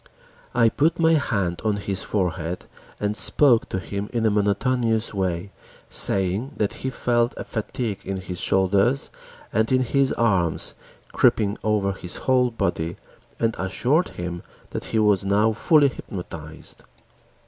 I put my hand on his forehead and spoke to him in a monotonous way, saying that he felt a fatigue in his shoulders, and in his arms, creeping over his whole body and assured him that he was now fully hypnotized.